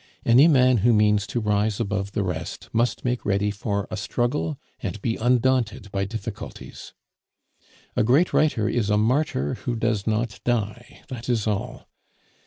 Any man who means to rise above the rest must make ready for a struggle and be undaunted by difficulties. A great writer is a martyr who does not die; that is all.